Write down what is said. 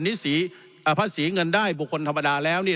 นิติภาษีเงินได้บุคคลธรรมดาแล้วนี่